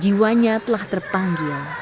jiwanya telah terpanggil